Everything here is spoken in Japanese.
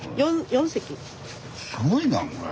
すごいなこれ。